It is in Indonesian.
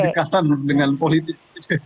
kedekatan dengan politik